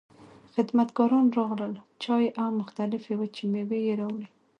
خدمتګاران راغلل، چای او مختلفې وچې مېوې يې راوړې.